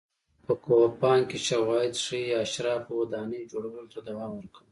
په کوپان کې شواهد ښيي اشرافو ودانۍ جوړولو ته دوام ورکاوه.